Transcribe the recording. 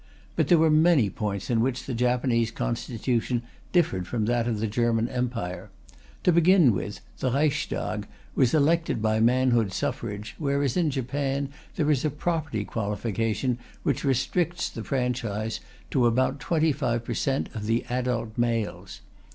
But there were many points in which the Japanese Constitution differed from that of the German Empire. To begin with, the Reichstag was elected by manhood suffrage, whereas in Japan there is a property qualification which restricts the franchise to about 25 per cent of the adult males.